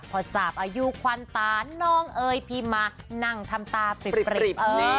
พอสาบอายุควาลต่าน่องเอยพี่มานั่งทำตาปริปส์